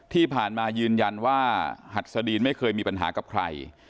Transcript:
ที่ผ่านมายืนยันว่าหัดสดีนไม่เคยมีปัญหากับใคร